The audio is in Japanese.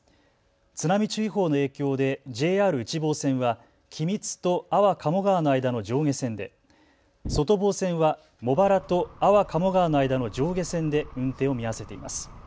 津波注意報の影響でＪＲ内房線は君津と安房鴨川の間の上下線で、外房線は茂原と安房鴨川の間の上下線で運転を見合わせています。